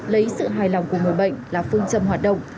lấy sự hài lòng của người bệnh là phương châm hoạt động